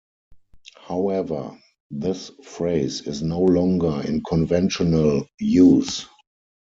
However, this phrase is no longer in conventional use.